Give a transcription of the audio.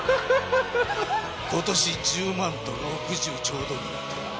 ことし１０万と６０ちょうどになった。